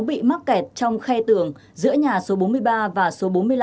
bị mắc kẹt trong khe tường giữa nhà số bốn mươi ba và số bốn mươi năm